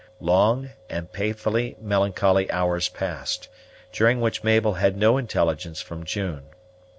Long and painfully melancholy hours passed, during which Mabel had no intelligence from June.